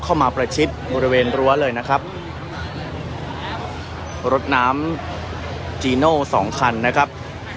มาประชิดบริเวณรั้วเลยนะครับรถน้ำจีโน่สองคันนะครับ